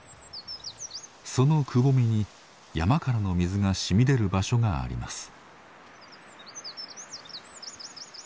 そのくぼみに山からの水が染み出る場所があります。